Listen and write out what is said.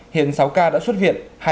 hiện sáu ca đã xuất viện